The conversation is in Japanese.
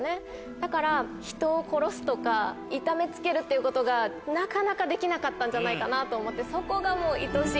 だから人を殺すとか痛めつけるっていうことがなかなかできなかったんじゃないかなと思ってそこがもう。